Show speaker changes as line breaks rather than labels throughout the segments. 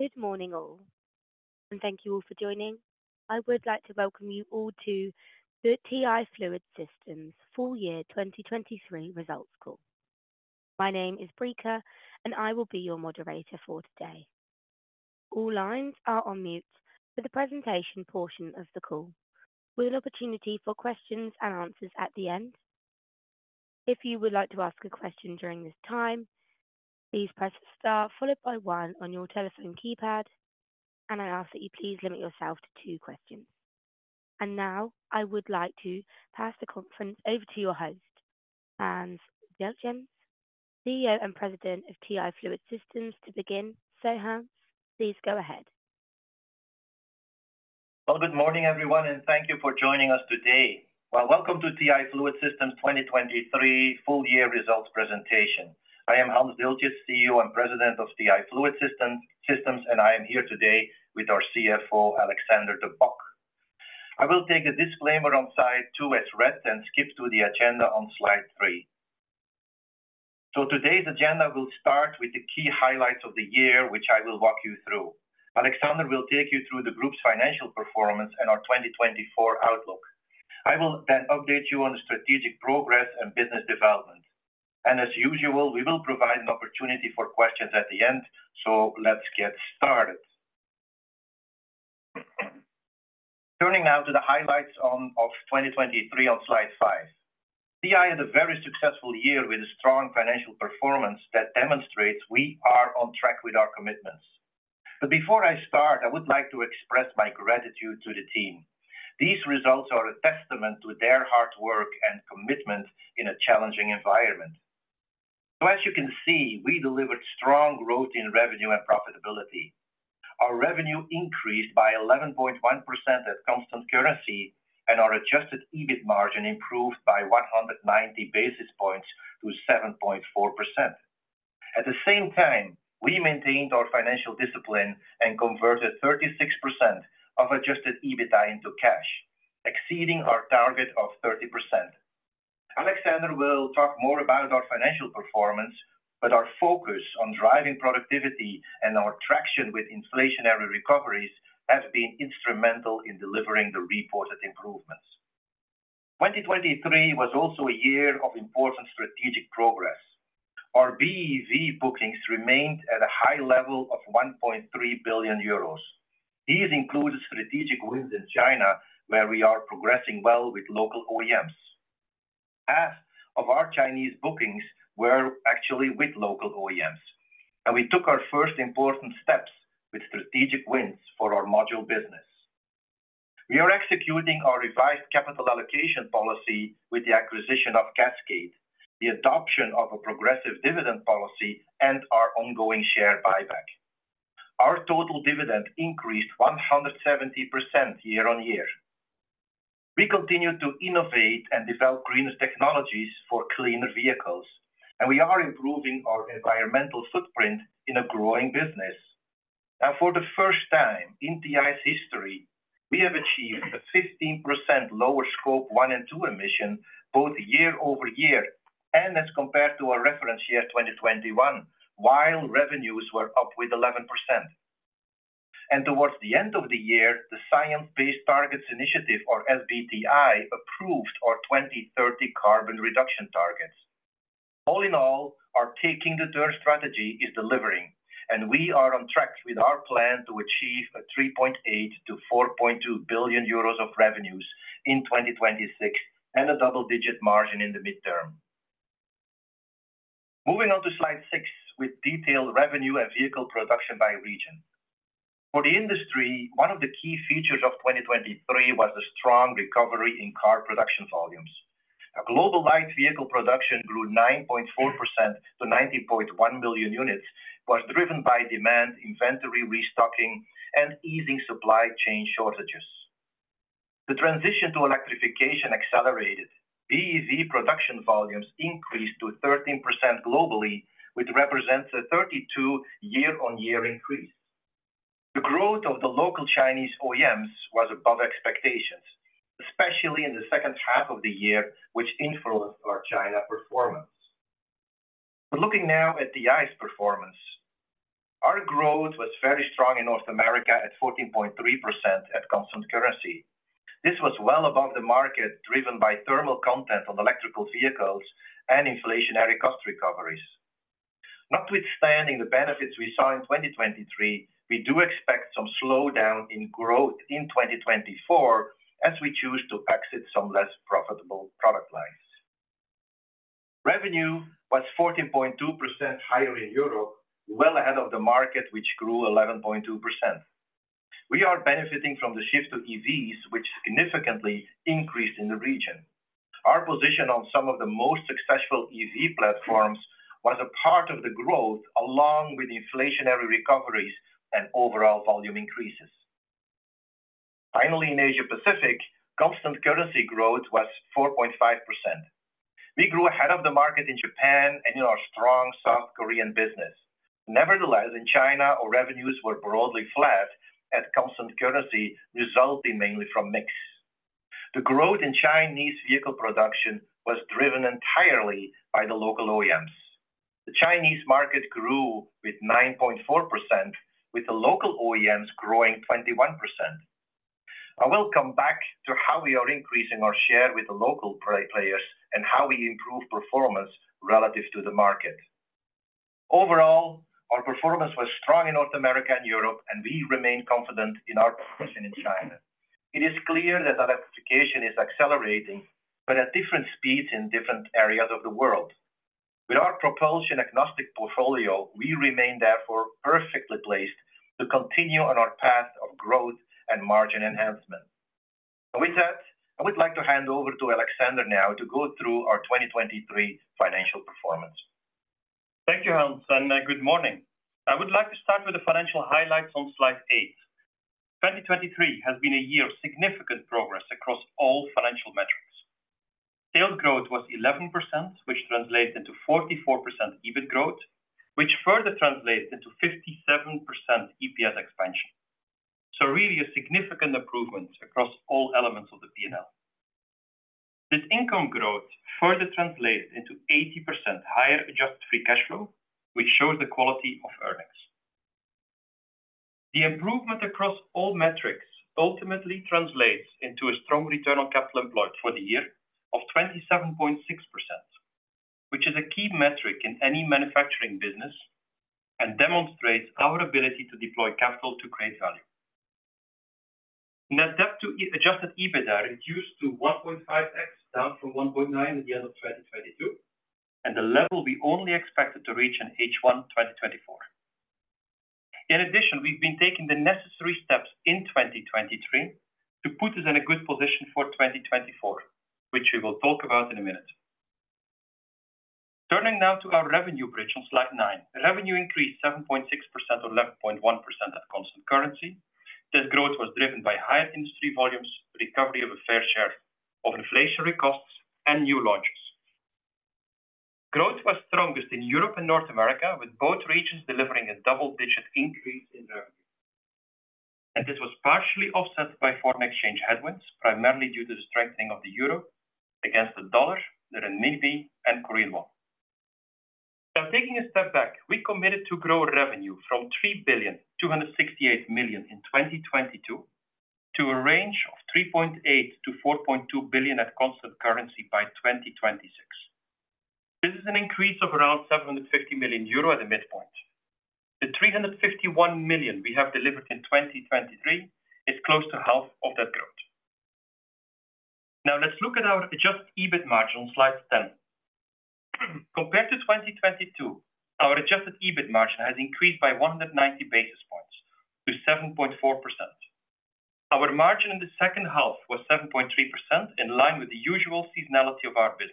Good morning all, and thank you all for joining. I would like to welcome you all to the TI Fluid Systems full year 2023 results call. My name is Breka, and I will be your moderator for today. All lines are on mute for the presentation portion of the call, with an opportunity for questions and answers at the end. If you would like to ask a question during this time, please press star followed by one on your telephone keypad, and I ask that you please limit yourself to two questions. And now I would like to pass the conference over to your host, Hans Dieltjens, CEO and President of TI Fluid Systems. To begin, Sir Hans, please go ahead.
Well, good morning everyone, and thank you for joining us today. Well, welcome to TI Fluid Systems 2023 full year results presentation. I am Hans Dieltjens, CEO and President of TI Fluid Systems, and I am here today with our CFO, Alexander De Bock. I will take a disclaimer on slide two as read and skip to the agenda on slide three. So today's agenda will start with the key highlights of the year, which I will walk you through. Alexander will take you through the group's financial performance and our 2024 outlook. I will then update you on the strategic progress and business development. And as usual, we will provide an opportunity for questions at the end, so let's get started. Turning now to the highlights of 2023 on slide five. TI had a very successful year with a strong financial performance that demonstrates we are on track with our commitments. But before I start, I would like to express my gratitude to the team. These results are a testament to their hard work and commitment in a challenging environment. So as you can see, we delivered strong growth in revenue and profitability. Our revenue increased by 11.1% at constant currency, and our adjusted EBIT margin improved by 190 basis points to 7.4%. At the same time, we maintained our financial discipline and converted 36% of adjusted EBITDA into cash, exceeding our target of 30%. Alexander will talk more about our financial performance, but our focus on driving productivity and our traction with inflationary recoveries has been instrumental in delivering the reported improvements. 2023 was also a year of important strategic progress. Our BEV bookings remained at a high level of 1.3 billion euros. These include strategic wins in China, where we are progressing well with local OEMs. Half of our Chinese bookings were actually with local OEMs, and we took our first important steps with strategic wins for our module business. We are executing our revised capital allocation policy with the acquisition of Cascade, the adoption of a progressive dividend policy, and our ongoing share buyback. Our total dividend increased 170% year-over-year. We continue to innovate and develop greenest technologies for cleaner vehicles, and we are improving our environmental footprint in a growing business. Now, for the first time in TI's history, we have achieved a 15% lower Scope one and two emissions both year-over-year and as compared to our reference year 2021, while revenues were up with 11%. Towards the end of the year, the Science Based Targets initiative, or SBTi, approved our 2030 carbon reduction targets. All in all, our taking the Turn strategy is delivering, and we are on track with our plan to achieve 3.8 billion-4.2 billion euros of revenues in 2026 and a double-digit margin in the midterm. Moving on to slide six with detailed revenue and vehicle production by region. For the industry, one of the key features of 2023 was the strong recovery in car production volumes. Global light vehicle production grew 9.4% to 19.1 million units, was driven by demand, inventory restocking, and easing supply chain shortages. The transition to electrification accelerated. BEV production volumes increased to 13% globally, which represents a 35%-year-on-year increase. The growth of the local Chinese OEMs was above expectations, especially in the second half of the year, which influenced our China performance. Looking now at TI's performance, our growth was very strong in North America at 14.3% at constant currency. This was well above the market, driven by thermal content on electric vehicles and inflationary cost recoveries. Notwithstanding the benefits we saw in 2023, we do expect some slowdown in growth in 2024 as we choose to exit some less profitable product lines. Revenue was 14.2% higher in Europe, well ahead of the market, which grew 11.2%. We are benefiting from the shift to EVs, which significantly increased in the region. Our position on some of the most successful EV platforms was a part of the growth along with inflationary recoveries and overall volume increases. Finally, in Asia Pacific, constant currency growth was 4.5%. We grew ahead of the market in Japan and in our strong South Korean business. Nevertheless, in China, our revenues were broadly flat at constant currency, resulting mainly from mix. The growth in Chinese vehicle production was driven entirely by the local OEMs. The Chinese market grew with 9.4%, with the local OEMs growing 21%. I will come back to how we are increasing our share with the local players and how we improve performance relative to the market. Overall, our performance was strong in North America and Europe, and we remain confident in our position in China. It is clear that electrification is accelerating, but at different speeds in different areas of the world. With our propulsion agnostic portfolio, we remain therefore perfectly placed to continue on our path of growth and margin enhancement. And with that, I would like to hand over to Alexander now to go through our 2023 financial performance.
Thank you, Hans, and good morning. I would like to start with the financial highlights on slide eight. 2023 has been a year of significant progress across all financial metrics. Sales growth was 11%, which translates into 44% EBIT growth, which further translates into 57% EPS expansion. So really a significant improvement across all elements of the P&L. This income growth further translates into 80% higher adjusted free cash flow, which shows the quality of earnings. The improvement across all metrics ultimately translates into a strong return on capital employed for the year of 27.6%, which is a key metric in any manufacturing business and demonstrates our ability to deploy capital to create value. Net debt to adjusted EBITDA reduced to 1.5x, down from 1.9 at the end of 2022, and the level we only expected to reach in H1 2024. In addition, we've been taking the necessary steps in 2023 to put us in a good position for 2024, which we will talk about in a minute. Turning now to our revenue bridge on slide nine. Revenue increased 7.6% or 11.1% at constant currency. This growth was driven by higher industry volumes, recovery of a fair share of inflationary costs, and new launches. Growth was strongest in Europe and North America, with both regions delivering a double-digit increase in revenue. This was partially offset by foreign exchange headwinds, primarily due to the strengthening of the euro against the dollar, the renminbi, and Korean won. Now, taking a step back, we committed to grow revenue from 3,268 million in 2022 to a range of 3.8 billion-4.2 billion at constant currency by 2026. This is an increase of around 750 million euro at the midpoint. The 351 million we have delivered in 2023 is close to half of that growth. Now, let's look at our adjusted EBITDA margin on slide 10. Compared to 2022, our adjusted EBIT margin has increased by 190 basis points to 7.4%. Our margin in the second half was 7.3%, in line with the usual seasonality of our business.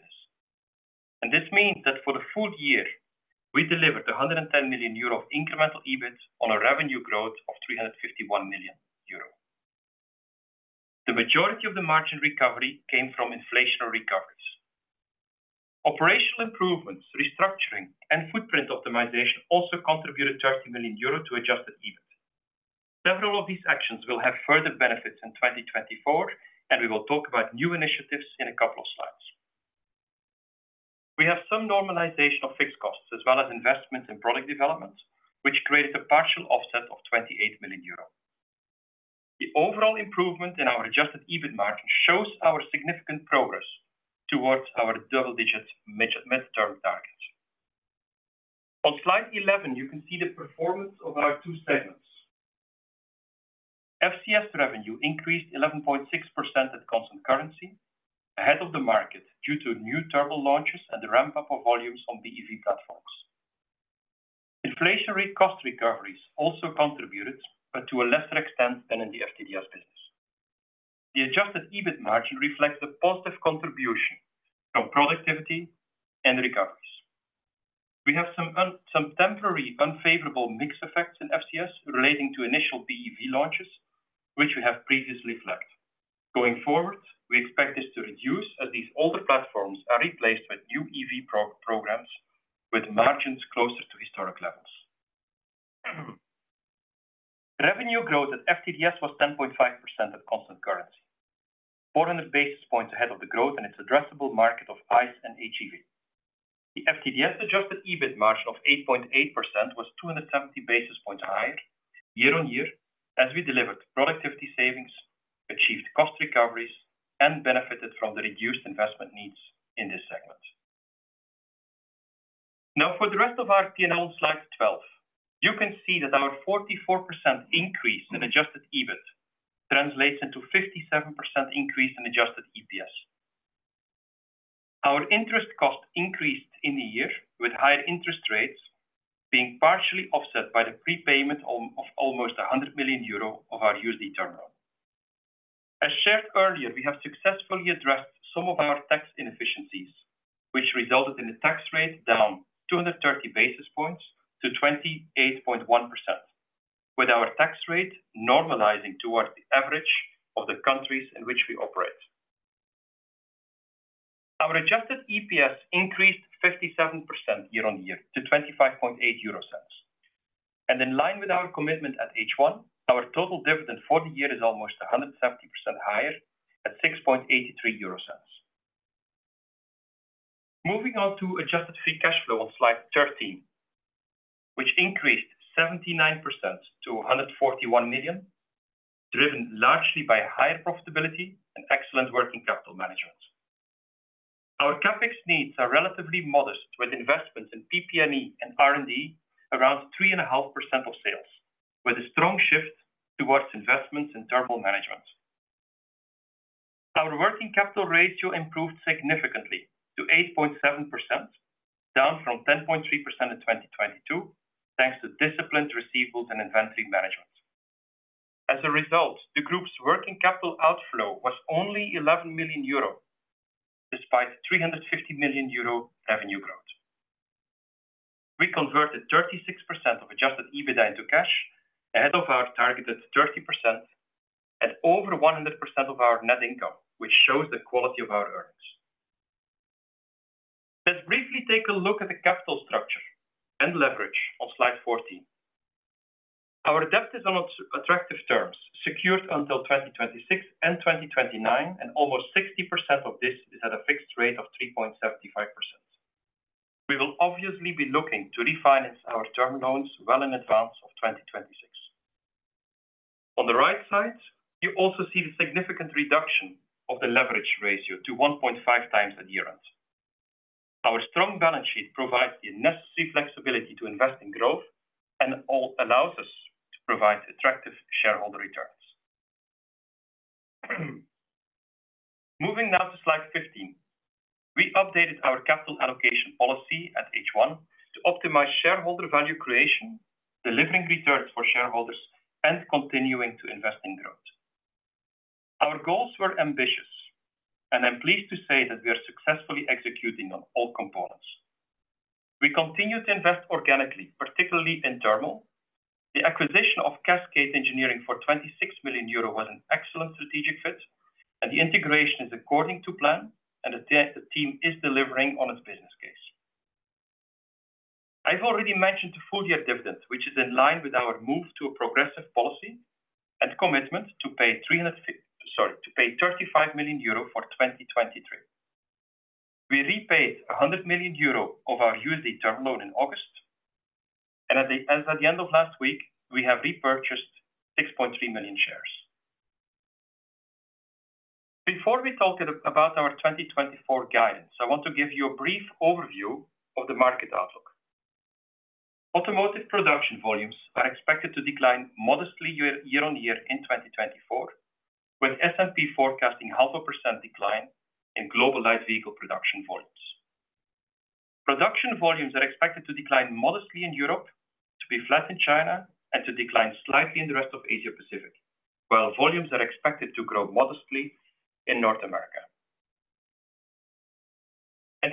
This means that for the full year, we delivered 110 million euro of incremental EBIT on a revenue growth of 351 million euro. The majority of the margin recovery came from inflationary recoveries. Operational improvements, restructuring, and footprint optimization also contributed 30 million euro to adjusted EBIT. Several of these actions will have further benefits in 2024, and we will talk about new initiatives in a couple of slides. We have some normalization of fixed costs as well as investment in product development, which created a partial offset of 28 million euro. The overall improvement in our adjusted EBIT margin shows our significant progress towards our double-digit midterm target. On Slide 11, you can see the performance of our two segments. FCS revenue increased 11.6% at constant currency, ahead of the market due to new turbo launches and the ramp-up of volumes on BEV platforms. Inflationary cost recoveries also contributed, but to a lesser extent than in the FTDS business. The adjusted EBIT margin reflects a positive contribution from productivity and recoveries. We have some temporary unfavorable mix effects in FCS relating to initial BEV launches, which we have previously flagged. Going forward, we expect this to reduce as these older platforms are replaced with new EV programs with margins closer to historic levels. Revenue growth at FTDS was 10.5% at constant currency, 400 basis points ahead of the growth in its addressable market of ICE and HEV. The FTDS adjusted EBIT margin of 8.8% was 270 basis points higher year on year as we delivered productivity savings, achieved cost recoveries, and benefited from the reduced investment needs in this segment. Now, for the rest of our P&L on slide 12, you can see that our 44% increase in adjusted EBIT translates into 57% increase in adjusted EPS. Our interest cost increased in the year with higher interest rates being partially offset by the prepayment of almost 100 million euro of our USD term loan. As shared earlier, we have successfully addressed some of our tax inefficiencies, which resulted in the tax rate down 230 basis points to 28.1%, with our tax rate normalizing towards the average of the countries in which we operate. Our adjusted EPS increased 57% year on year to 25.80 euro. In line with our commitment at H1, our total dividend for the year is almost 170% higher at 6.83 euro. Moving on to adjusted free cash flow on slide 13, which increased 79% to 141 million, driven largely by higher profitability and excellent working capital management. Our CAPEX needs are relatively modest with investments in PP&E and R&D around 3.5% of sales, with a strong shift towards investments in turbo management. Our working capital ratio improved significantly to 8.7%, down from 10.3% in 2022 thanks to disciplined receivables and inventory management. As a result, the group's working capital outflow was only 11 million euro despite 350 million euro revenue growth. We converted 36% of adjusted EBITDA into cash ahead of our targeted 30% and over 100% of our net income, which shows the quality of our earnings. Let's briefly take a look at the capital structure and leverage on slide 14. Our debt is on attractive terms, secured until 2026 and 2029, and almost 60% of this is at a fixed rate of 3.75%. We will obviously be looking to refinance our term loans well in advance of 2026. On the right side, you also see the significant reduction of the leverage ratio to 1.5x at year-end. Our strong balance sheet provides the necessary flexibility to invest in growth and allows us to provide attractive shareholder returns. Moving now to slide 15. We updated our Capital Allocation Policy at H1 to optimize shareholder value creation, delivering returns for shareholders, and continuing to invest in growth. Our goals were ambitious, and I'm pleased to say that we are successfully executing on all components. We continue to invest organically, particularly in thermal. The acquisition of Cascade Engineering for 26 million euro was an excellent strategic fit, and the integration is according to plan, and the team is delivering on its business case. I've already mentioned the full-year dividend, which is in line with our move to a progressive policy and commitment to pay 35 million euro for 2023. We repaid 100 million euro of our USD term loan in August, and at the end of last week, we have repurchased 6.3 million shares. Before we talk about our 2024 guidance, I want to give you a brief overview of the market outlook. Automotive production volumes are expected to decline modestly year-on-year in 2024, with S&P forecasting 0.5% decline in global light vehicle production volumes. Production volumes are expected to decline modestly in Europe, to be flat in China, and to decline slightly in the rest of Asia Pacific, while volumes are expected to grow modestly in North America.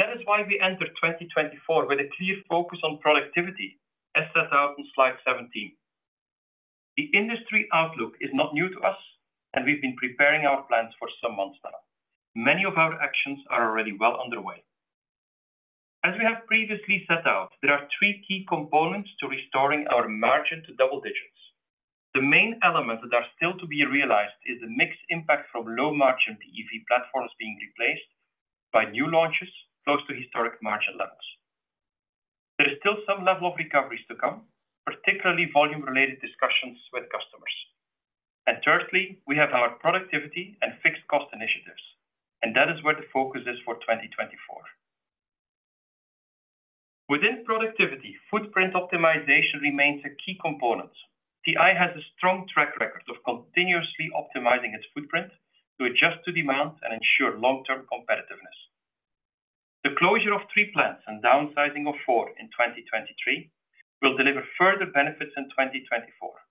That is why we entered 2024 with a clear focus on productivity, as set out on slide 17. The industry outlook is not new to us, and we've been preparing our plans for some months now. Many of our actions are already well underway. As we have previously set out, there are three key components to restoring our margin to double digits. The main element that is still to be realized is the mixed impact from low-margin BEV platforms being replaced by new launches close to historic margin levels. There is still some level of recoveries to come, particularly volume-related discussions with customers. And thirdly, we have our productivity and fixed cost initiatives, and that is where the focus is for 2024. Within productivity, footprint optimization remains a key component. TI has a strong track record of continuously optimizing its footprint to adjust to demand and ensure long-term competitiveness. The closure of three plants and downsizing of four in 2023 will deliver further benefits in 2024.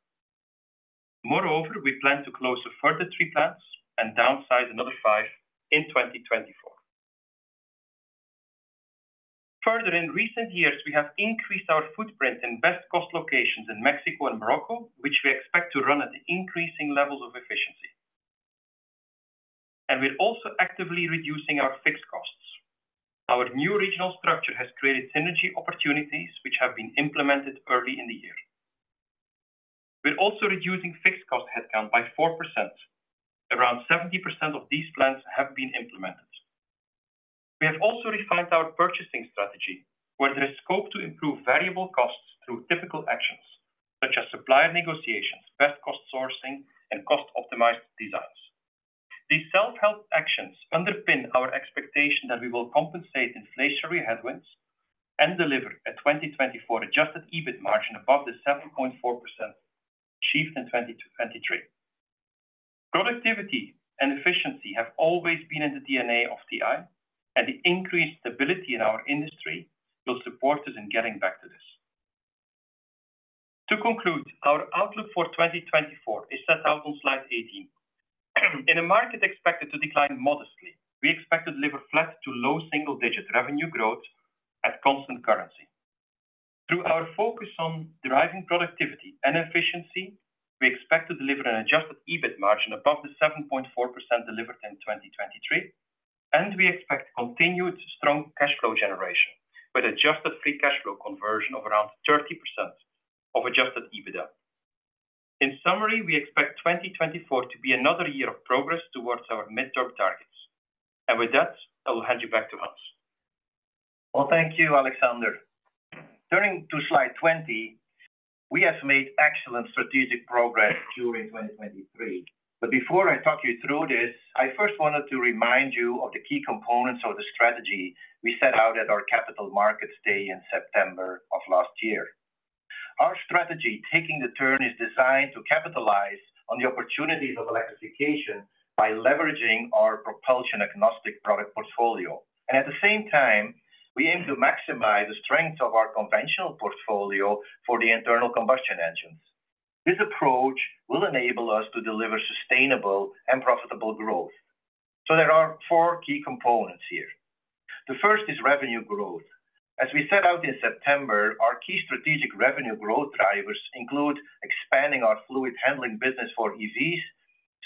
Moreover, we plan to close further three plants and downsize another five in 2024. Further, in recent years, we have increased our footprint in best-cost locations in Mexico and Morocco, which we expect to run at increasing levels of efficiency. And we're also actively reducing our fixed costs. Our new regional structure has created synergy opportunities, which have been implemented early in the year. We're also reducing fixed cost head count by 4%. Around 70% of these plants have been implemented. We have also refined our purchasing strategy, where there is scope to improve variable costs through typical actions such as supplier negotiations, best-cost sourcing, and cost-optimized designs. These self-help actions underpin our expectation that we will compensate inflationary headwinds and deliver a 2024 Adjusted EBIT margin above the 7.4% achieved in 2023. Productivity and efficiency have always been in the DNA of TI, and the increased stability in our industry will support us in getting back to this. To conclude, our outlook for 2024 is set out on slide 18. In a market expected to decline modestly, we expect to deliver flat to low single-digit revenue growth at constant currency. Through our focus on driving productivity and efficiency, we expect to deliver an adjusted EBIT margin above the 7.4% delivered in 2023, and we expect continued strong cash flow generation with adjusted free cash flow conversion of around 30% of adjusted EBITDA. In summary, we expect 2024 to be another year of progress towards our midterm targets. With that, I will hand you back to Hans.
Well, thank you, Alexander. Turning to slide 20. We have made excellent strategic progress during 2023. But before I talk you through this, I first wanted to remind you of the key components of the strategy we set out at our Capital Markets Day in September of last year. Our strategy, Taking the turn, is designed to capitalize on the opportunities of electrification by leveraging our propulsion-agnostic product portfolio. And at the same time, we aim to maximize the strength of our conventional portfolio for the internal combustion engines. This approach will enable us to deliver sustainable and profitable growth. So there are four key components here. The first is revenue growth. As we set out in September, our key strategic revenue growth drivers include expanding our fluid handling business for EVs,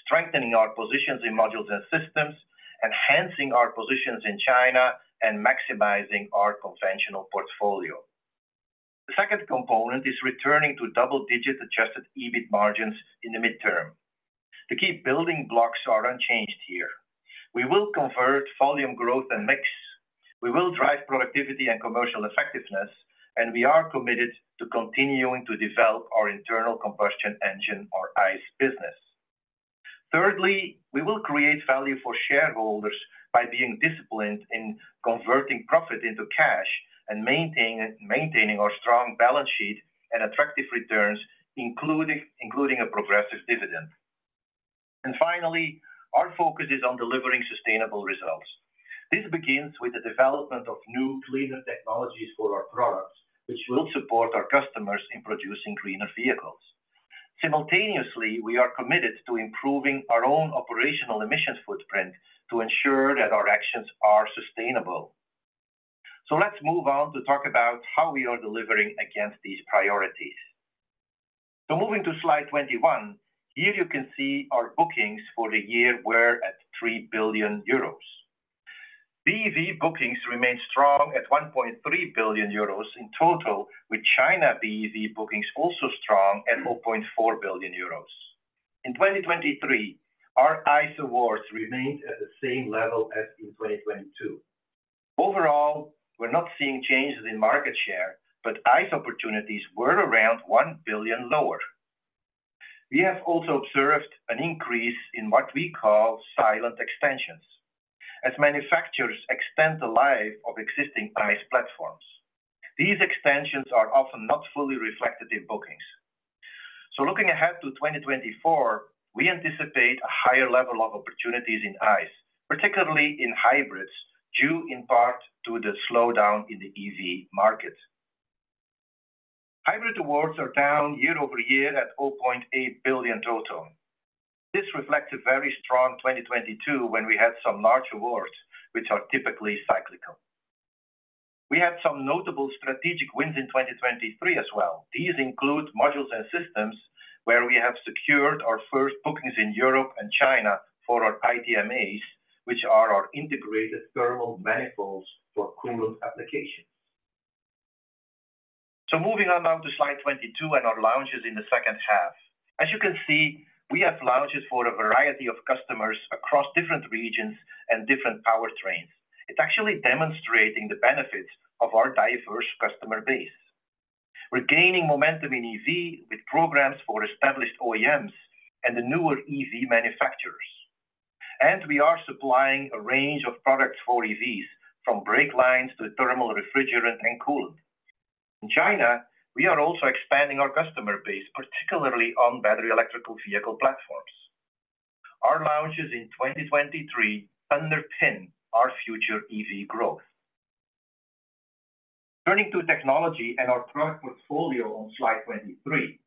strengthening our positions in modules and systems, enhancing our positions in China, and maximizing our conventional portfolio. The second component is returning to double-digit Adjusted EBIT margins in the midterm. The key building blocks are unchanged here. We will convert volume growth and mix. We will drive productivity and commercial effectiveness, and we are committed to continuing to develop our internal combustion engine, our ICE business. Thirdly, we will create value for shareholders by being disciplined in converting profit into cash and maintaining our strong balance sheet and attractive returns, including a progressive dividend. Finally, our focus is on delivering sustainable results. This begins with the development of new, cleaner technologies for our products, which will support our customers in producing greener vehicles. Simultaneously, we are committed to improving our own operational emissions footprint to ensure that our actions are sustainable. Let's move on to talk about how we are delivering against these priorities. So moving to slide 21, here you can see our bookings for the year. We're at 3 billion euros. BEV bookings remain strong at 1.3 billion euros in total, with China BEV bookings also strong at 0.4 billion euros. In 2023, our ICE awards remained at the same level as in 2022. Overall, we're not seeing changes in market share, but ICE opportunities were around 1 billion lower. We have also observed an increase in what we call silent extensions, as manufacturers extend the life of existing ICE platforms. These extensions are often not fully reflected in bookings. So looking ahead to 2024, we anticipate a higher level of opportunities in ICE, particularly in hybrids, due in part to the slowdown in the EV market. Hybrid awards are down year over year at 0.8 billion total. This reflects a very strong 2022 when we had some large awards, which are typically cyclical. We had some notable strategic wins in 2023 as well. These include modules and systems, where we have secured our first bookings in Europe and China for our ITMs, which are our integrated thermal manifolds for coolant applications. So moving on now to slide 22 and our launches in the second half. As you can see, we have launches for a variety of customers across different regions and different powertrains. It's actually demonstrating the benefits of our diverse customer base. We're gaining momentum in EV with programs for established OEMs and the newer EV manufacturers. And we are supplying a range of products for EVs, from brake lines to thermal refrigerant and coolant. In China, we are also expanding our customer base, particularly on battery electric vehicle platforms. Our launches in 2023 underpin our future EV growth. Turning to technology and our product portfolio on slide 23.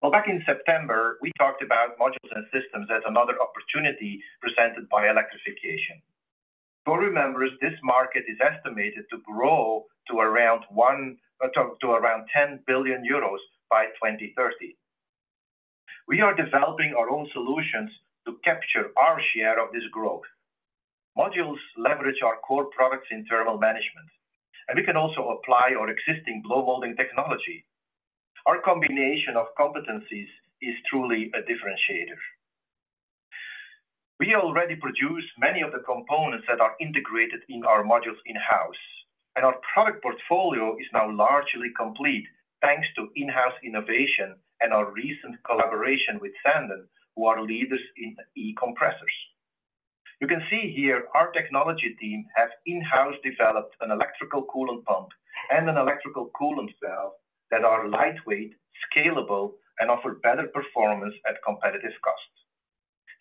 Well, back in September, we talked about modules and systems as another opportunity presented by electrification. Corum members, this market is estimated to grow to around 10 billion euros by 2030. We are developing our own solutions to capture our share of this growth. Modules leverage our core products in thermal management, and we can also apply our existing blow molding technology. Our combination of competencies is truly a differentiator. We already produce many of the components that are integrated in our modules in-house, and our product portfolio is now largely complete thanks to in-house innovation and our recent collaboration with Sanden, who are leaders in e-compressors. You can see here our technology team have in-house developed an electrical coolant pump and an electrical coolant valve that are lightweight, scalable, and offer better performance at competitive costs.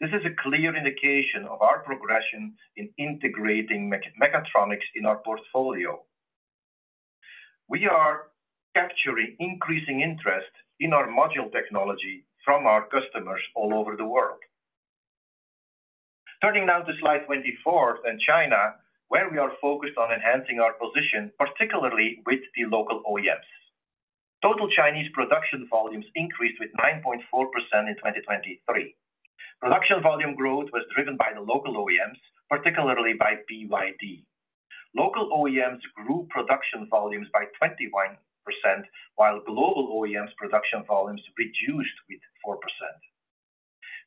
This is a clear indication of our progression in integrating mechatronics in our portfolio. We are capturing increasing interest in our module technology from our customers all over the world. Turning now to slide 24 and China, where we are focused on enhancing our position, particularly with the local OEMs. Total Chinese production volumes increased with 9.4% in 2023. Production volume growth was driven by the local OEMs, particularly by BYD. Local OEMs grew production volumes by 21%, while global OEMs' production volumes reduced with 4%.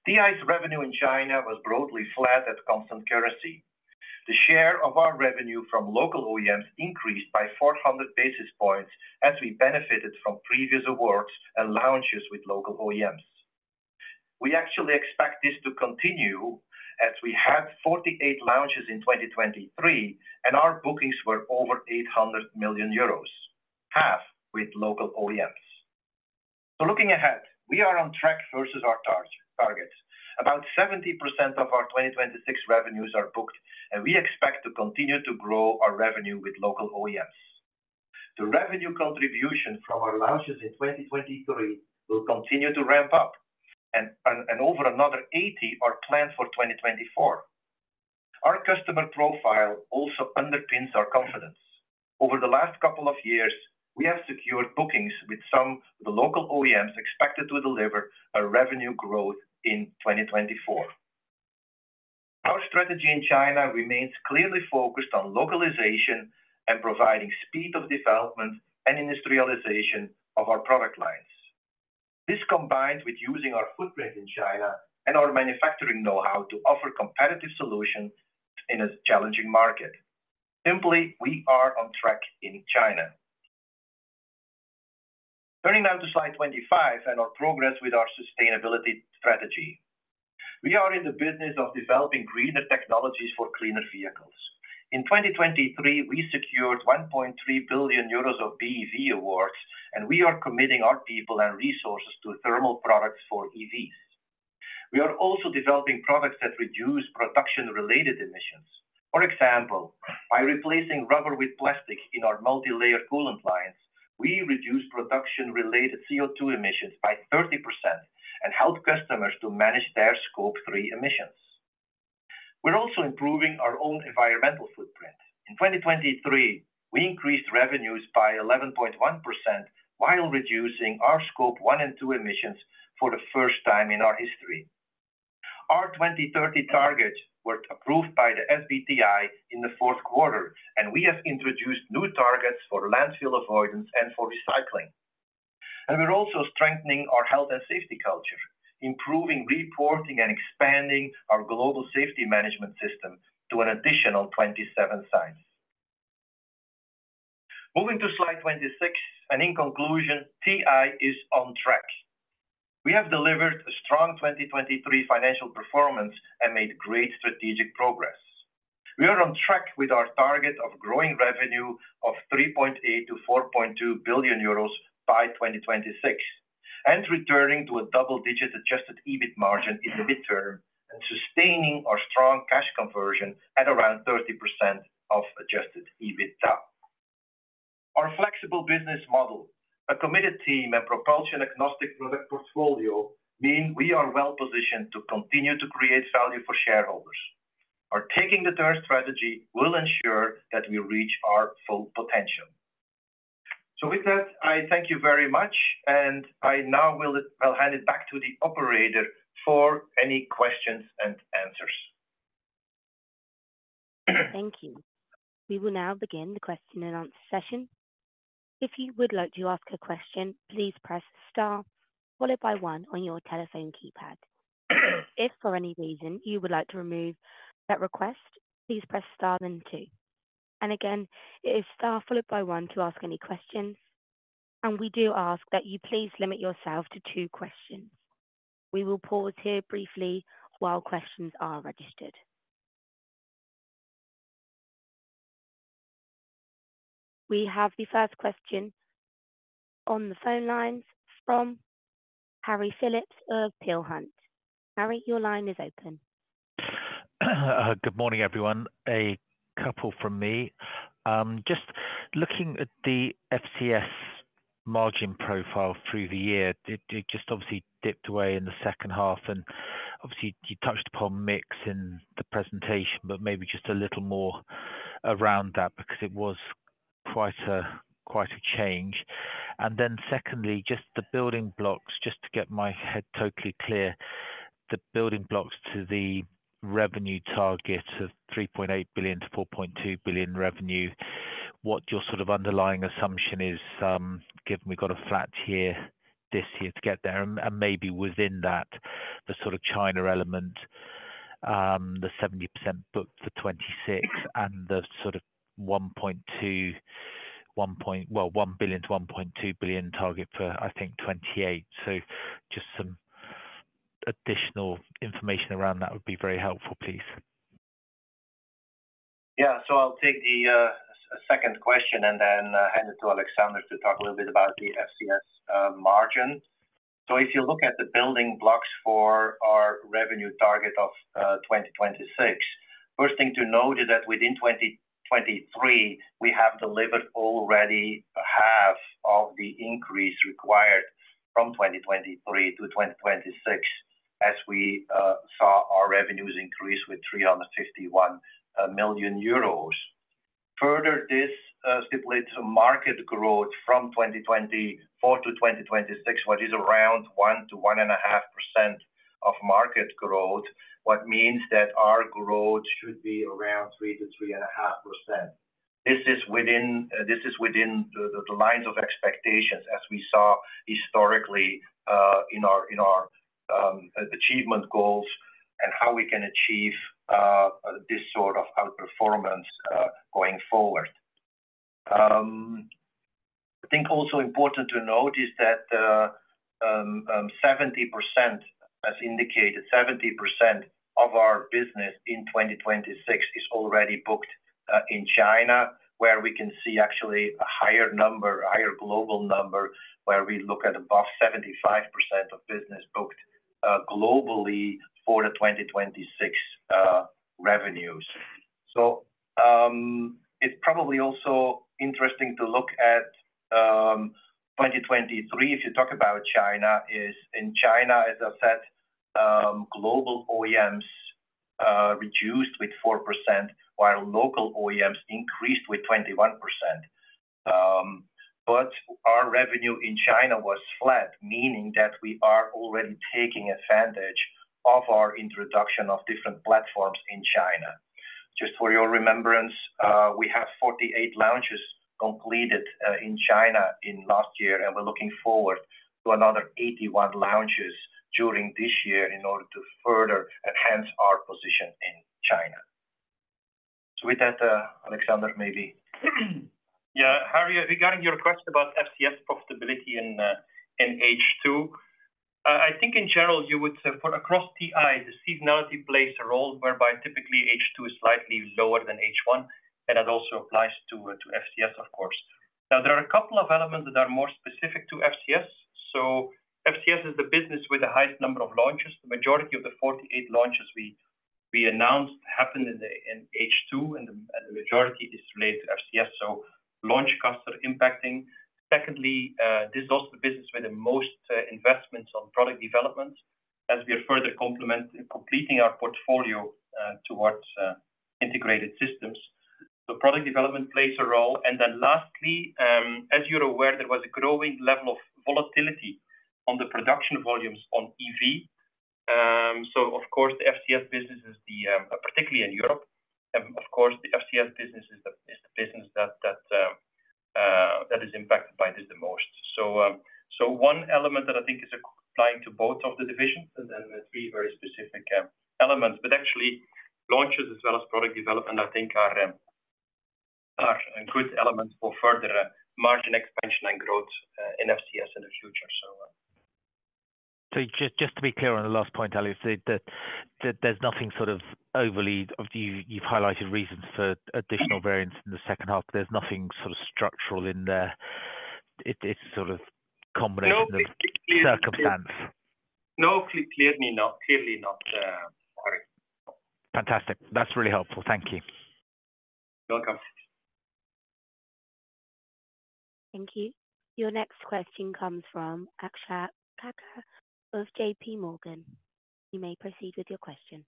TI's revenue in China was broadly flat at constant currency. The share of our revenue from local OEMs increased by 400 basis points as we benefited from previous awards and launches with local OEMs. We actually expect this to continue as we had 48 launches in 2023, and our bookings were over 800 million euros, half with local OEMs. So looking ahead, we are on track versus our target. About 70% of our 2026 revenues are booked, and we expect to continue to grow our revenue with local OEMs. The revenue contribution from our launches in 2023 will continue to ramp up, and over another 80% are planned for 2024. Our customer profile also underpins our confidence. Over the last couple of years, we have secured bookings with some of the local OEMs expected to deliver a revenue growth in 2024. Our strategy in China remains clearly focused on localization and providing speed of development and industrialization of our product lines. This combined with using our footprint in China and our manufacturing know-how to offer competitive solutions in a challenging market. Simply, we are on track in China. Turning now to slide 25 and our progress with our sustainability strategy. We are in the business of developing greener technologies for cleaner vehicles. In 2023, we secured 1.3 billion euros of BEV awards, and we are committing our people and resources to thermal products for EVs. We are also developing products that reduce production-related emissions. For example, by replacing rubber with plastic in our multi-layer coolant lines, we reduce production-related CO2 emissions by 30% and help customers to manage their Scope 3 emissions. We're also improving our own environmental footprint. In 2023, we increased revenues by 11.1% while reducing our Scope 1 and 2 emissions for the first time in our history. Our 2030 targets were approved by the SBTi in the fourth quarter, and we have introduced new targets for landfill avoidance and for recycling. We're also strengthening our health and safety culture, improving reporting and expanding our global safety management system to an additional 27 sites. Moving to slide 26 and in conclusion, TI is on track. We have delivered a strong 2023 financial performance and made great strategic progress. We are on track with our target of growing revenue of 3.8-4.2 billion euros by 2026, and returning to a double-digit Adjusted EBIT margin in the midterm and sustaining our strong cash conversion at around 30% of Adjusted EBITDA. Our flexible business model, a committed team, and propulsion-agnostic product portfolio mean we are well positioned to continue to create value for shareholders. Our Taking the Turn strategy will ensure that we reach our full potential. So with that, I thank you very much, and I now will hand it back to the operator for any questions and answers.
Thank you. We will now begin the question-and-answer session. If you would like to ask a question, please press * followed by 1 on your telephone keypad. If for any reason you would like to remove that request, please press * then 2. And again, it is * followed by 1 to ask any questions. And we do ask that you please limit yourself to two questions. We will pause here briefly while questions are registered. We have the first question on the phone lines from Harry Philips of Peel Hunt. Harry, your line is open.
Good morning, everyone. A couple from me. Just looking at the FCS margin profile through the year, it just obviously dipped away in the second half. Obviously, you touched upon mix in the presentation, but maybe just a little more around that because it was quite a change. Then secondly, just the building blocks, just to get my head totally clear, the building blocks to the revenue target of 3.8 billion-4.2 billion revenue, what your sort of underlying assumption is, given we've got a flat year this year to get there, and maybe within that, the sort of China element, the 70% book for 2026, and the sort of 1.2 well, 1 billion-1.2 billion target for, I think, 2028. Just some additional information around that would be very helpful, please.
Yeah. So I'll take a second question and then hand it to Alexander to talk a little bit about the FCS margin. So if you look at the building blocks for our revenue target of 2026, first thing to note is that within 2023, we have delivered already half of the increase required from 2023 to 2026 as we saw our revenues increase with 351 million euros. Further, this stipulates a market growth from 2024 to 2026, which is around 1%-1.5% of market growth, which means that our growth should be around 3%-3.5%. This is within the lines of expectations as we saw historically in our achievement goals and how we can achieve this sort of outperformance going forward. I think also important to note is that 70%, as indicated, 70% of our business in 2026 is already booked in China, where we can see actually a higher number, a higher global number, where we look at above 75% of business booked globally for the 2026 revenues. So it's probably also interesting to look at 2023 if you talk about China. In China, as I said, global OEMs reduced with 4%, while local OEMs increased with 21%. But our revenue in China was flat, meaning that we are already taking advantage of our introduction of different platforms in China. Just for your remembrance, we have 48 launches completed in China in last year, and we're looking forward to another 81 launches during this year in order to further enhance our position in China. So with that, Alexander, maybe.
Yeah. Harry, regarding your question about FCS profitability in H2, I think in general, across TI, the seasonality plays a role whereby typically H2 is slightly lower than H1, and that also applies to FCS, of course. Now, there are a couple of elements that are more specific to FCS. So FCS is the business with the highest number of launches. The majority of the 48 launches we announced happened in H2, and the majority is related to FCS, so launch costs are impacting. Secondly, this is also the business with the most investments on product development as we are further completing our portfolio towards integrated systems. So product development plays a role. And then lastly, as you're aware, there was a growing level of volatility on the production volumes on EV. So of course, the FCS business is particularly in Europe. Of course, the FCS business is the business that is impacted by this the most. So one element that I think is applying to both of the divisions and then three very specific elements, but actually launches as well as product development, I think, are good elements for further margin expansion and growth in FCS in the future, so.
So just to be clear on the last point, Ali, there's nothing sort of overly you've highlighted reasons for additional variance in the second half. There's nothing sort of structural in there. It's sort of a combination of circumstance.
No, clearly not. Clearly not, Harry.
Fantastic. That's really helpful. Thank you.
Welcome.
Thank you. Your next question comes from Akshat Kacker of JP Morgan. You may proceed with your question.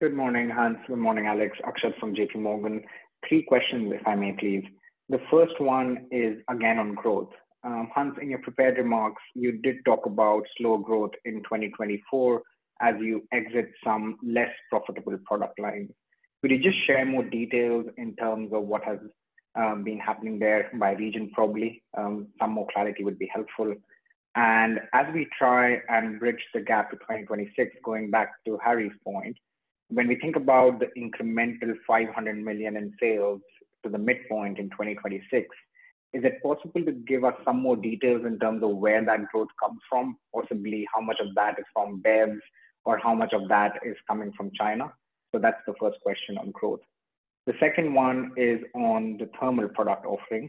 Good morning, Hans. Good morning, Alex. Akshat from JP Morgan. Three questions, if I may, please. The first one is again on growth. Hans, in your prepared remarks, you did talk about slow growth in 2024 as you exit some less profitable product lines. Could you just share more details in terms of what has been happening there by region? Probably some more clarity would be helpful. And as we try and bridge the gap to 2026, going back to Harry's point, when we think about the incremental 500 million in sales to the midpoint in 2026, is it possible to give us some more details in terms of where that growth comes from, possibly how much of that is from BEVs or how much of that is coming from China? So that's the first question on growth. The second one is on the thermal product offering.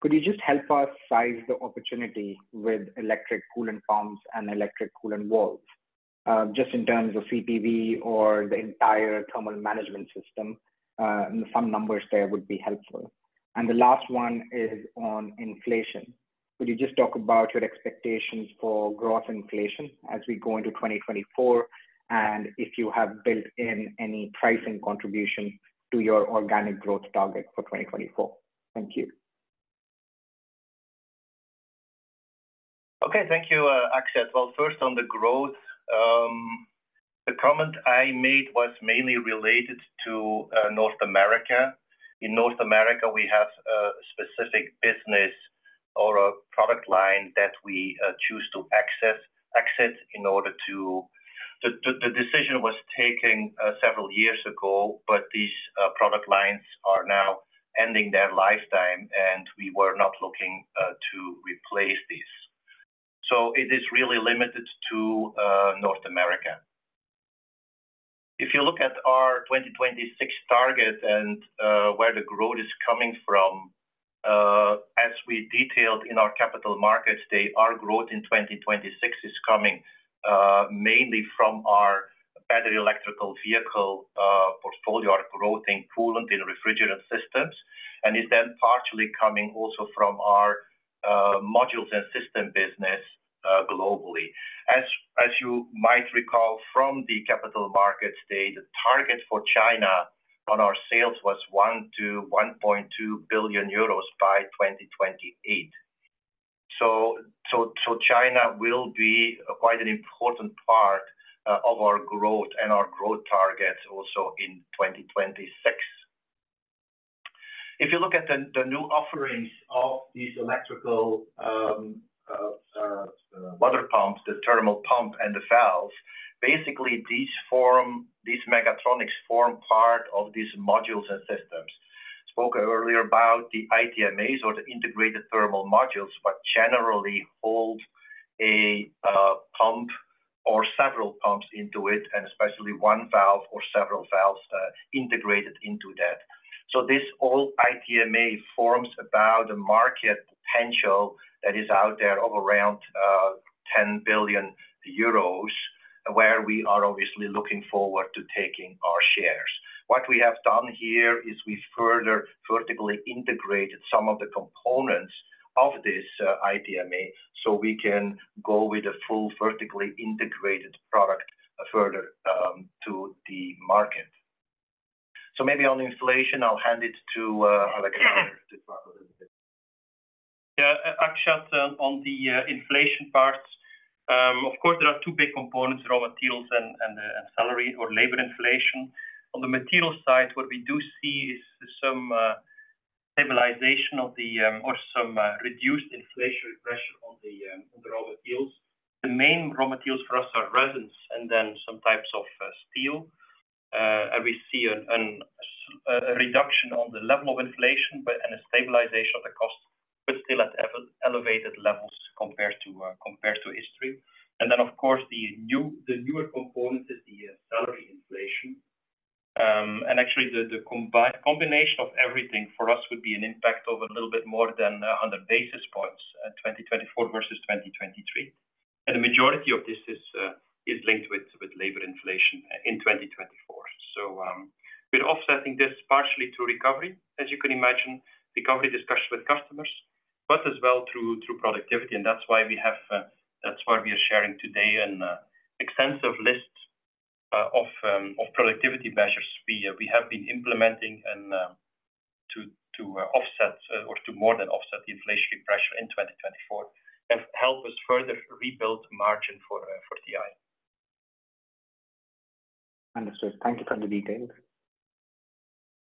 Could you just help us size the opportunity with electric coolant pumps and electric coolant valves, just in terms of CPV or the entire thermal management system? Some numbers there would be helpful. The last one is on inflation. Could you just talk about your expectations for gross inflation as we go into 2024, and if you have built in any pricing contribution to your organic growth target for 2024? Thank you.
Okay. Thank you, Akshat. Well, first on the growth, the comment I made was mainly related to North America. In North America, we have a specific business or a product line that we choose to exit in order to the decision was taken several years ago, but these product lines are now ending their lifetime, and we were not looking to replace these. So it is really limited to North America. If you look at our 2026 target and where the growth is coming from, as we detailed in our capital markets, our growth in 2026 is coming mainly from our battery electric vehicle portfolio, our growth in coolant and refrigerant systems, and is then partially coming also from our modules and system business globally. As you might recall from the capital markets data, the target for China on our sales was 1 billion-1.2 billion euros by 2028. So China will be quite an important part of our growth and our growth targets also in 2026. If you look at the new offerings of these electrical water pumps, the thermal pump and the valves, basically, these megatronics form part of these modules and systems. Spoke earlier about the ITMAs or the integrated thermal modules, but generally hold a pump or several pumps into it, and especially one valve or several valves integrated into that. So this whole ITMA forms about the market potential that is out there of around 10 billion euros, where we are obviously looking forward to taking our shares. What we have done here is we further vertically integrated some of the components of this ITMA so we can go with a full vertically integrated product further to the market. So maybe on inflation, I'll hand it to Alexander.
Yeah. Akshat, on the inflation part, of course, there are two big components: raw materials and salary or labor inflation. On the materials side, what we do see is some stabilization or some reduced inflationary pressure on the raw materials. The main raw materials for us are resins and then some types of steel. We see a reduction on the level of inflation and a stabilization of the costs, but still at elevated levels compared to history. Then, of course, the newer component is the salary inflation. Actually, the combination of everything for us would be an impact of a little bit more than 100 basis points in 2024 versus 2023. The majority of this is linked with labor inflation in 2024. So we're offsetting this partially through recovery, as you can imagine, recovery discussion with customers, but as well through productivity. And that's why we are sharing today an extensive list of productivity measures we have been implementing to offset or to more than offset the inflationary pressure in 2024 and help us further rebuild margin for TI.
Understood. Thank you for the details.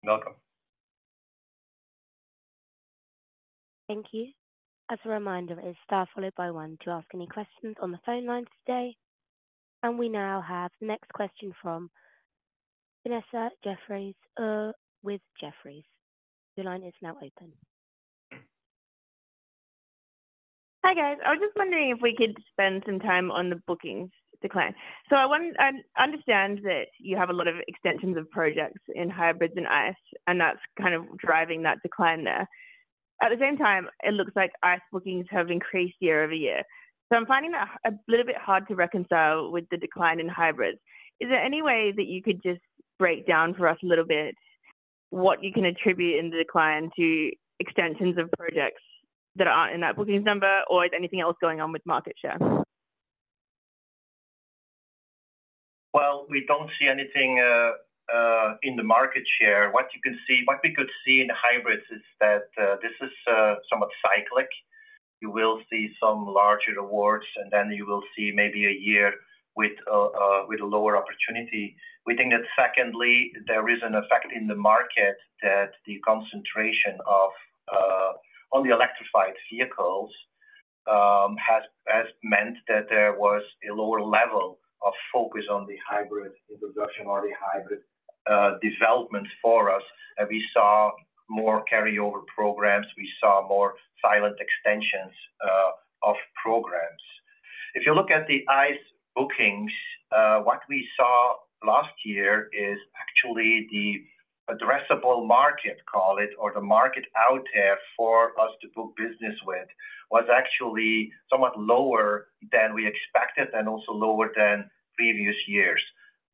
Welcome.
Thank you. As a reminder, it is press star one to ask any questions on the phone lines today. And we now have the next question from Vanessa Jefferies with Jefferies. Your line is now open.
Hi, guys. I was just wondering if we could spend some time on the bookings decline. So I understand that you have a lot of extensions of projects in hybrids and ICE, and that's kind of driving that decline there. At the same time, it looks like ICE bookings have increased year-over-year. So I'm finding that a little bit hard to reconcile with the decline in hybrids. Is there any way that you could just break down for us a little bit what you can attribute in the decline to extensions of projects that aren't in that bookings number, or is anything else going on with market share?
Well, we don't see anything in the market share. What you can see what we could see in hybrids is that this is somewhat cyclic. You will see some larger awards, and then you will see maybe a year with a lower opportunity. We think that, secondly, there is an effect in the market that the concentration on the electrified vehicles has meant that there was a lower level of focus on the hybrid introduction or the hybrid development for us. And we saw more carryover programs. We saw more silent extensions of programs. If you look at the ICE bookings, what we saw last year is actually the addressable market, call it, or the market out there for us to book business with was actually somewhat lower than we expected and also lower than previous years.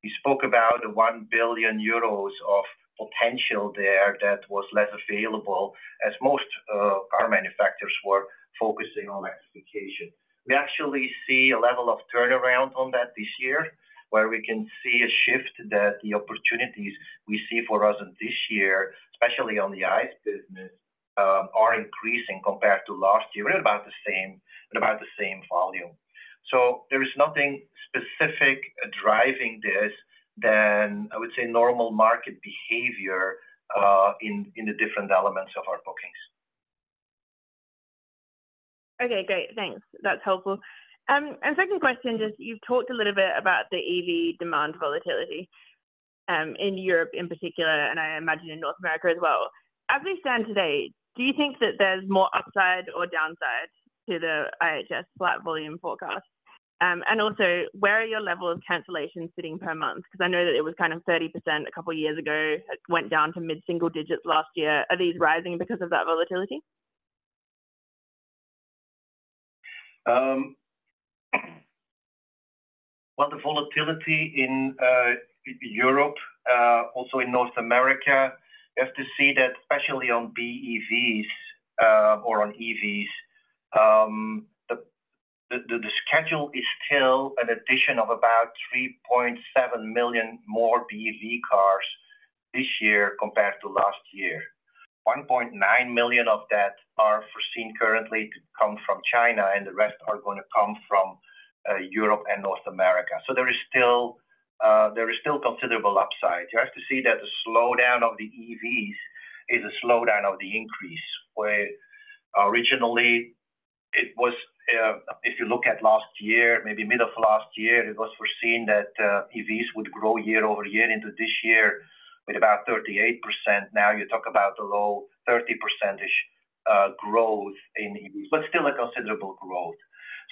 We spoke about the 1 billion euros of potential there that was less available as most car manufacturers were focusing on electrification. We actually see a level of turnaround on that this year where we can see a shift that the opportunities we see for us in this year, especially on the ICE business, are increasing compared to last year. We're at about the same volume. So there is nothing specific driving this other than, I would say, normal market behavior in the different elements of our bookings.
Okay. Great. Thanks. That's helpful. And second question, just you've talked a little bit about the EV demand volatility in Europe in particular, and I imagine in North America as well. As we stand today, do you think that there's more upside or downside to the IHS flat volume forecast? And also, where are your levels of cancellation sitting per month? Because I know that it was kind of 30% a couple of years ago, went down to mid-single digits last year. Are these rising because of that volatility?
Well, the volatility in Europe, also in North America, you have to see that especially on BEVs or on EVs, the schedule is still an addition of about 3.7 million more BEV cars this year compared to last year. 1.9 million of that are foreseen currently to come from China, and the rest are going to come from Europe and North America. So there is still considerable upside. You have to see that the slowdown of the EVs is a slowdown of the increase. Originally, it was if you look at last year, maybe mid of last year, it was foreseen that EVs would grow year-over-year into this year with about 38%. Now you talk about a low 30%-ish growth in EVs, but still a considerable growth.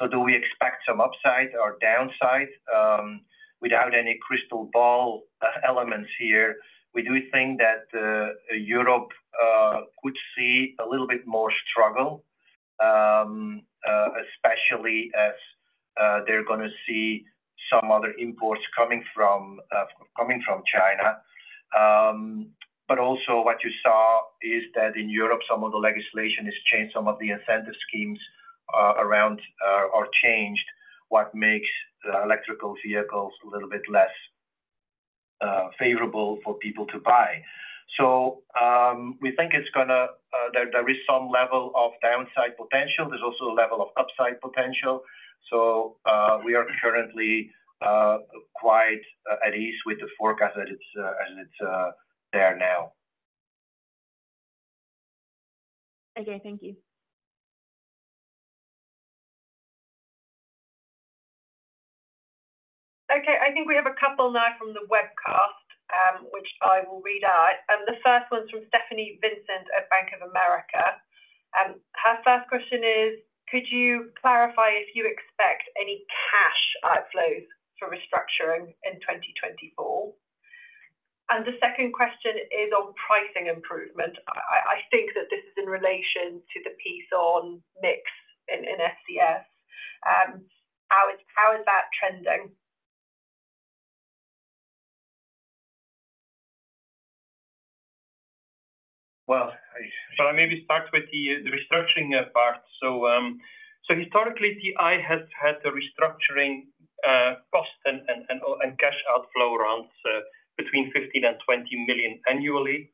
So do we expect some upside or downside? Without any crystal ball elements here, we do think that Europe could see a little bit more struggle, especially as they're going to see some other imports coming from China. But also what you saw is that in Europe, some of the legislation has changed. Some of the incentive schemes around are changed, what makes electric vehicles a little bit less favorable for people to buy. So we think it's going to there is some level of downside potential. There's also a level of upside potential. So we are currently quite at ease with the forecast as it's there now.
Okay. Thank you.
Okay. I think we have a couple now from the webcast, which I will read out. The first one's from Stephanie Vincent at Bank of America. Her first question is, could you clarify if you expect any cash outflows for restructuring in 2024? The second question is on pricing improvement. I think that this is in relation to the piece on mix in FCS. How is that trending?
Well, shall I maybe start with the restructuring part? So historically, TI has had a restructuring cost and cash outflow around between 15 million and 20 million annually.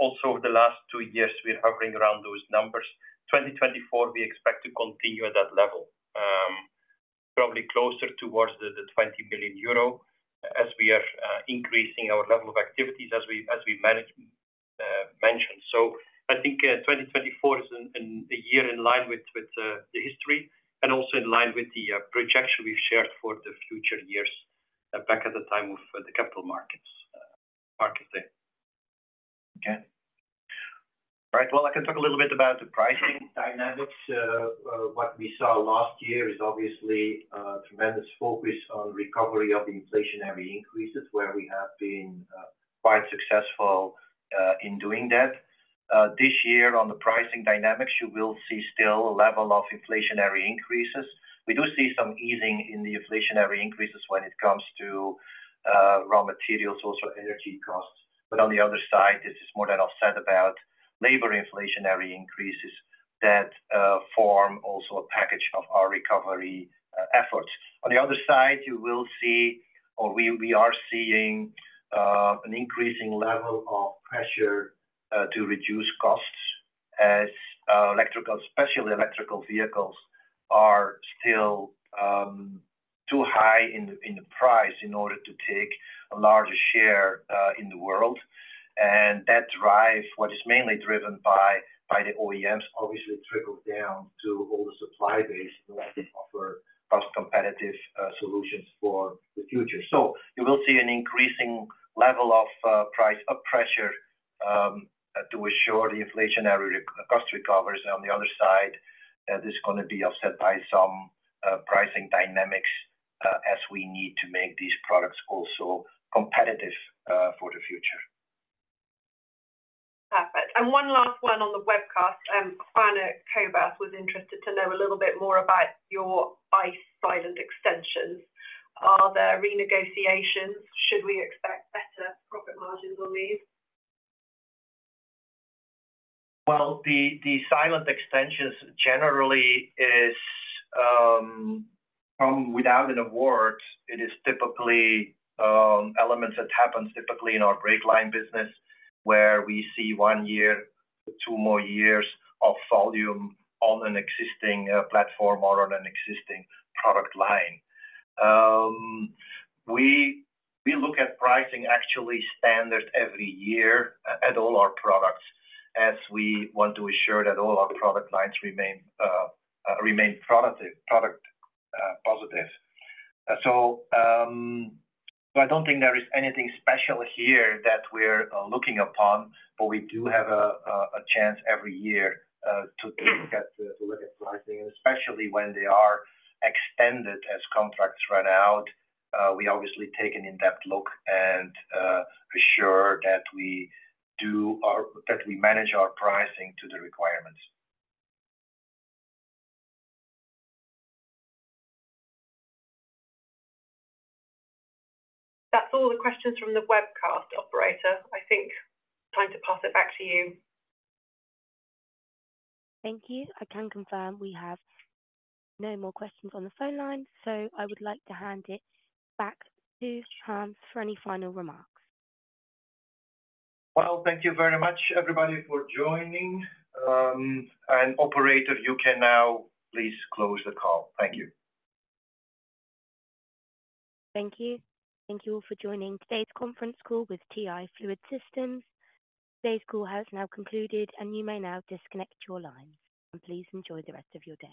Also, over the last two years, we're hovering around those numbers. 2024, we expect to continue at that level, probably closer towards the 20 million euro as we are increasing our level of activities, as we mentioned. So I think 2024 is a year in line with the history and also in line with the projection we've shared for the future years back at the time of the capital markets there. Okay. All right. Well, I can talk a little bit about the pricing dynamics. What we saw last year is obviously a tremendous focus on recovery of inflationary increases, where we have been quite successful in doing that. This year, on the pricing dynamics, you will see still a level of inflationary increases. We do see some easing in the inflationary increases when it comes to raw materials, also energy costs. But on the other side, this is more than offset about labor inflationary increases that form also a package of our recovery efforts. On the other side, you will see or we are seeing an increasing level of pressure to reduce costs as electrical, especially electrical vehicles, are still too high in the price in order to take a larger share in the world. And that drive, what is mainly driven by the OEMs obviously, trickles down to all the supply base in order to offer cost-competitive solutions for the future. So you will see an increasing level of price pressure to assure the inflationary cost recovers. And on the other side, this is going to be offset by some pricing dynamics as we need to make these products also competitive for the future.
Perfect. And one last one on the webcast. Kwana Kobath was interested to know a little bit more about your ICE silent extensions. Are there renegotiations? Should we expect better profit margins on these?
Well, the silent extensions generally is without an award. It is typically elements that happen typically in our brake line business where we see one year, two more years of volume on an existing platform or on an existing product line. We look at pricing actually standard every year at all our products as we want to assure that all our product lines remain product-positive. So I don't think there is anything special here that we're looking upon, but we do have a chance every year to look at pricing. And especially when they are extended as contracts run out, we obviously take an in-depth look and assure that we do that we manage our pricing to the requirements.
That's all the questions from the webcast operator. I think time to pass it back to you.
Thank you. I can confirm we have no more questions on the phone line. I would like to hand it back to Hans for any final remarks.
Well, thank you very much, everybody, for joining. Operator, you can now please close the call. Thank you.
Thank you. Thank you all for joining today's conference call with TI Fluid Systems. Today's call has now concluded, and you may now disconnect your lines. Please enjoy the rest of your day.